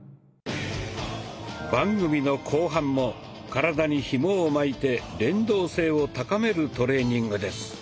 番組の後半も体にひもを巻いて連動性を高めるトレーニングです。